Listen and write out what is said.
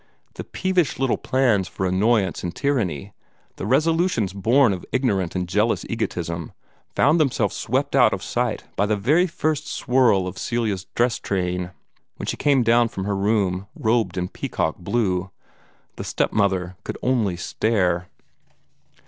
The peevish little plans for annoyance and tyranny, the resolutions born of ignorant and jealous egotism, found themselves swept out of sight by the very first swirl of Celia's dress train, when she came down from her room robed in peacock blue. The step mother could only stare.